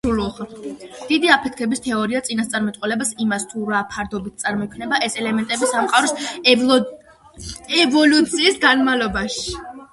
დიდი აფეთქების თეორია წინასწარმეტყველებს იმას თუ რა ფარდობით წარმოიქმნება ეს ელემენტები სამყაროს ევოლუციის განმავლობაში.